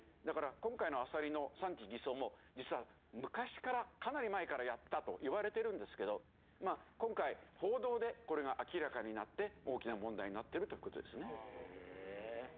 だから今回のアサリの産地偽装も実は昔からかなり前からやってたといわれてるんですけど今回報道でこれが明らかになって大きな問題になってるという事ですね。